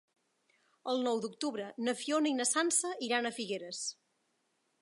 El nou d'octubre na Fiona i na Sança iran a Figueres.